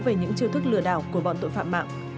về những chiêu thức lừa đảo của bọn tội phạm mạng